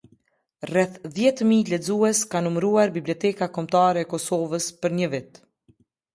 Rreth dhjetëmijë lexues ka numëruar Biblioteka Kombëtare e Kosovës për një vit.